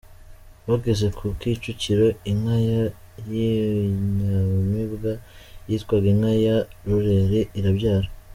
Bageze ku Kicukiro, inka ye y’inyamibwa yitwaga inka ya Rureli irabyara.